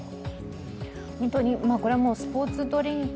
本当に、これはスポーツドリンク